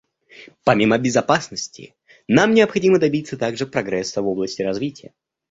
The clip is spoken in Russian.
Помимо безопасности, нам необходимо добиться также прогресса в области развития.